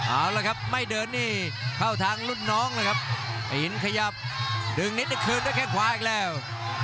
เอาละครับไม่เดินนี่เข้าทางรุ่นน้องเลยครับตีนขยับดึงนิดจะคืนด้วยแค่งขวาอีกแล้ว